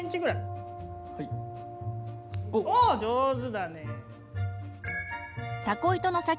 おっ上手だね。